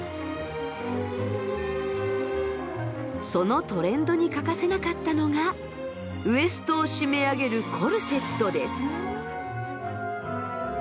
そのトレンドに欠かせなかったのがウエストを締め上げるコルセットです。